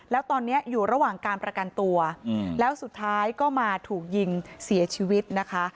แล้วตอนนี้อยู่ระหว่างการประกันตัวแล้วสุดท้ายก็มาถูกยิงเสียชีวิตนะคะ